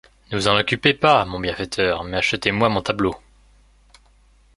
Ne vous en occupez pas, mon bienfaiteur, mais achetez-moi mon tableau.